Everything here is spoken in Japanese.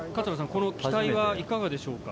この機体はいかがでしょうか？